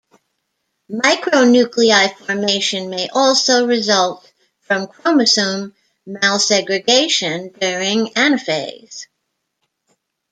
Micronuclei formation may also result from chromosome malsegregation during anaphase.